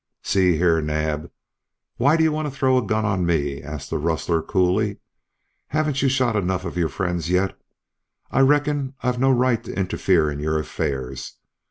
"See here, Naab, why do you want to throw a gun on me?" asked the rustler, coolly. "Haven't you shot enough of your friends yet? I reckon I've no right to interfere in your affairs.